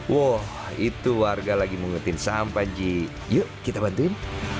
wow itu warga lagi mengetik sampah ji yuk kita bantuin